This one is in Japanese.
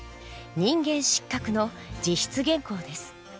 「人間失格」の自筆原稿です。